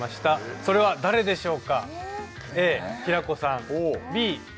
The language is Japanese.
それは誰でしょうか？